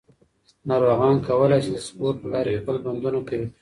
ناروغان کولی شي د سپورت له لارې خپل بندونه قوي کړي.